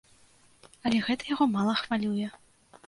Але гэта яго мала хвалюе.